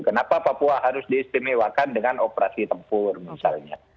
kenapa papua harus diistimewakan dengan operasi tempur misalnya